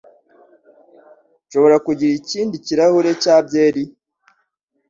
Nshobora kugira ikindi kirahure cya byeri?